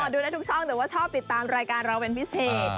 ดูได้ทุกช่องแต่ว่าชอบติดตามรายการเราเป็นพิเศษ